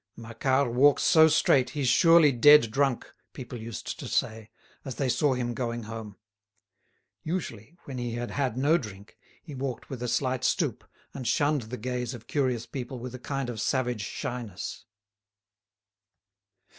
"Macquart walks so straight, he's surely dead drunk," people used to say, as they saw him going home. Usually, when he had had no drink, he walked with a slight stoop and shunned the gaze of curious people with a kind of savage shyness.